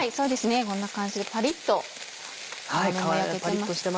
こんな感じでパリっと皮目が焼けてます。